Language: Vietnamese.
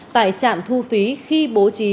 tại trạm thu phí khi bố trí